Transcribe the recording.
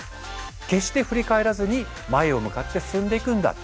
決して振り返らずに前を向かって進んでいくんだ。